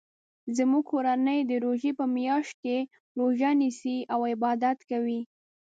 زموږ کورنۍ د روژی په میاشت کې روژه نیسي او عبادت کوي